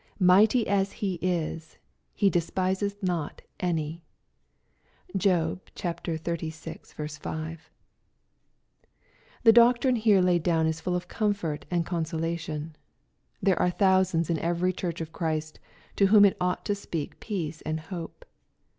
Mighty as He is, " He despiseth not any." (Job xxxvi. 5.) The doctrine here laid down is full of comfort and consolation. There are thousands in evey church of Christ to whom it ought to speak peace and hope.